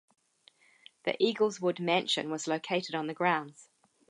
The Eagleswood Mansion was located on the grounds.